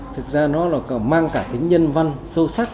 thực ra nó là mang cả tính nhân văn sâu sắc